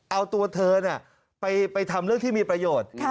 เอาตัวเธอไปทำเรื่องที่มีประโยชน์